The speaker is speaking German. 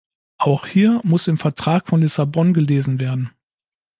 Auch hier muss im Vertrag von Lissabon gelesen werden.